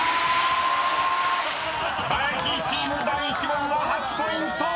［バラエティチーム第１問は８ポイント！